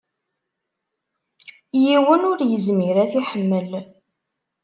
Yiwen ur yezmir ad t-iḥemmel.